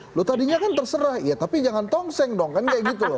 loh tadinya kan terserah iya tapi jangan tongseng dong kan kayak gitu loh